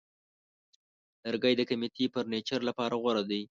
لرګی د قیمتي فرنیچر لپاره غوره دی.